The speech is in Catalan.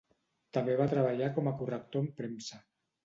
També va treballar com a corrector en premsa.